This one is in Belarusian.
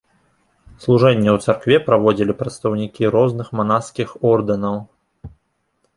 Служэнне ў царкве праводзілі прадстаўнікі розных манаскіх ордэнаў.